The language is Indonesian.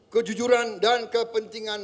kejujuran dan kepentingan